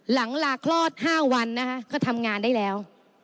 หลังลาคลอด๕วันนะคะก็ทำงานได้แล้ว